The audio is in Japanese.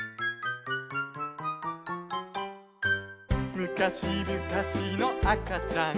「むかしむかしのあかちゃんが」